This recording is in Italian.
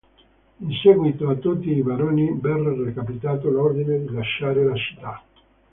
In seguito a tutti i baroni verre recapitato l'ordine di lasciare la città.